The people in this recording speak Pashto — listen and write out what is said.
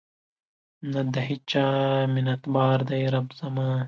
نه د هیچا منتبار دی رب زما